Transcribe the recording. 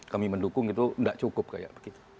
kami mendukung itu tidak cukup kayak begitu